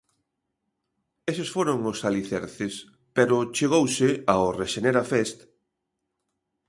Eses foron os alicerces, pero chegouse ao Rexenera Fest...